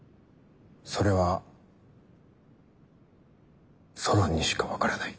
それはソロンにしか分からない。